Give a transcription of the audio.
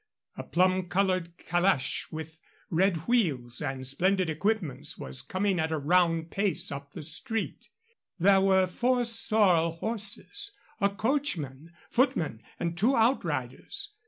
A plum colored calash with red wheels and splendid equipments was coming at a round pace up the street. There were four sorrel horses, a coachman, footman, and two outriders.